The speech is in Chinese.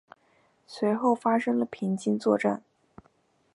随后发生了平津作战。